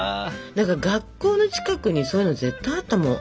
何か学校の近くにそういうの絶対あったもん。